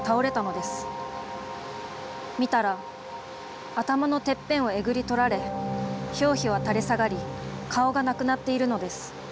見たら頭のてっぺんをえぐり取られ表皮は垂れ下がり顔がなくなっているのです。